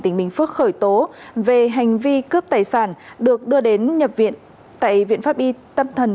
tỉnh bình phước khởi tố về hành vi cướp tài sản được đưa đến nhập viện tại viện pháp y tâm thần